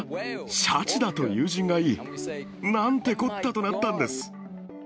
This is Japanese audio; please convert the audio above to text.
シャチだと友人が言い、なんてこったとなったんです。